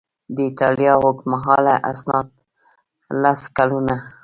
د ایټالیا اوږدمهاله اسناد لس کلونه